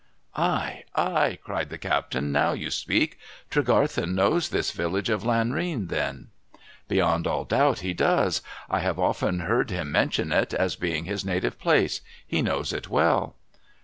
' Ay, ay !' cried the captain. ' Now you speak ! Tregarthen knows this village of Lanrean, then ?'' Beyond all doubt he does. I have often heard him mention it, as being his native place. He knows it well.'